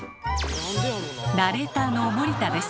ナレーターの森田です。